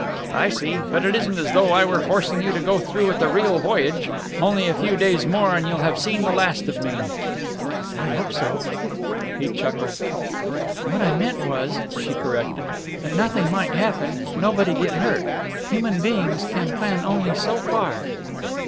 I see. But it isn't as though I were forcing you to go through with the real voyage. Only a few days more, and you'll have seen the last of me." "I hope so." He chuckled. "What I meant was," she corrected, "that nothing might happen, nobody get hurt. Human beings can plan only so far."